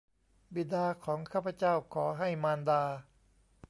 บิดาของข้าพเจ้า ขอให้มารดา